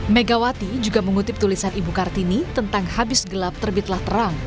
megawati juga mengutip tulisan ibu kartini tentang habis gelap terbitlah terang